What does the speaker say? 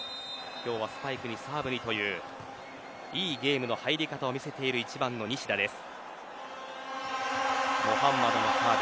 今日はスパイクもサーブもいいといういいゲームの入り方を見せている１番の西田です。